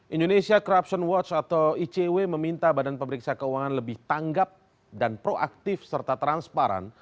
indonesia corruption watch atau icw meminta badan pemeriksa keuangan lebih tanggap dan proaktif serta transparan